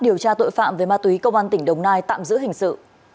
điều tra tội phạm về ma túy công an tỉnh đồng nai tạm giữ hình sự